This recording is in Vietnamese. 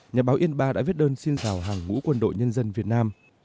nhà báo yên ba đã viết đơn xin chào hàng ngũ quân đội nhân dân việt nam